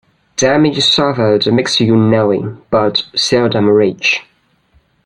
Damage suffered makes you knowing, but seldom rich.